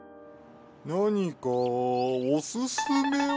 何かおすすめは。